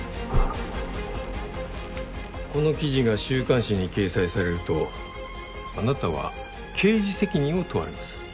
この記事が週刊誌に掲載されるとあなたは刑事責任を問われます